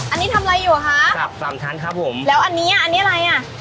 อันนี้ทำอะไรอยู่คะสามชั้นครับผมแล้วอันนี้อันนี้อะไรอ่ะ